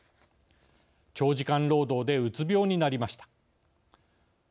「長時間労働でうつ病になりました」